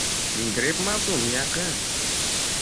Gripp mavsumi yaqin